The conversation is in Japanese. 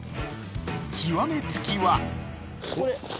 極めつきはこれ